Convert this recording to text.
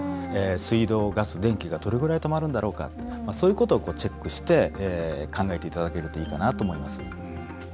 水道、ガス、電気がどれぐらい止まるんだろうとかそういうことをチェックして考えていただけるといいかなと思います。